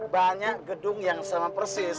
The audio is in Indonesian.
banyak gedung yang sama persis